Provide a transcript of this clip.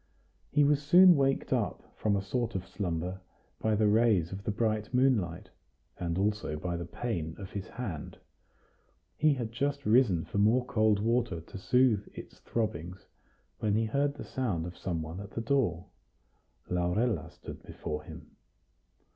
He was soon waked up from a sort of slumber by the rays of the bright moonlight, and also by the pain of his hand; he had just risen for more cold water to soothe its throbbings, when he heard the sound of some one at the door. Laurella stood before him.